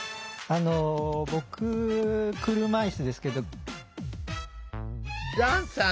あの僕車いすですけど。